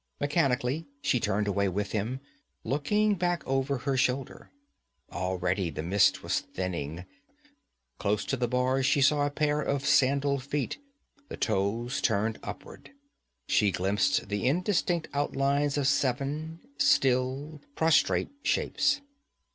Mechanically she turned away with him, looking back over her shoulder. Already the mist was thinning; close to the bars she saw a pair of sandalled feet, the toes turned upward she glimpsed the indistinct outlines of seven still, prostrate shapes.